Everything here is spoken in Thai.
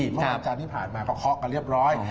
เมื่อวันจันทร์ที่ผ่านมาก็เคาะกันเรียบร้อย